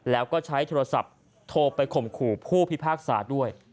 แล้วก็ใช้โทรศัพท์โทรไปข่มขู่ผู้พิพากษาด้วย